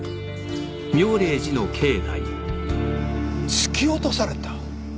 突き落とされた？